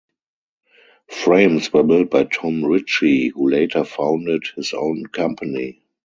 Frames were built by Tom Ritchey, who later founded his own company.